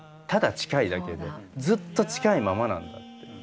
ただ近いだけでずっと近いままなんだって。